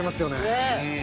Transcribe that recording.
ねえ！